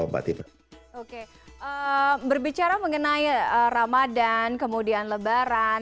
berbicara mengenai ramadan kemudian lebaran